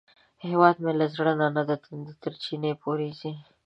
هیواد مې له زړه نه د تندي تر چینې پورې ځي